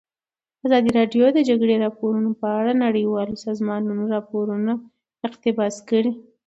ازادي راډیو د د جګړې راپورونه په اړه د نړیوالو سازمانونو راپورونه اقتباس کړي.